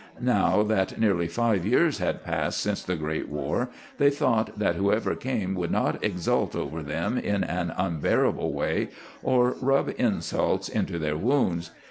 Now that nearly five years had passed since the great war, they thought that whoever came would not exult over them in an unbearable way, or rub insults into their wounds.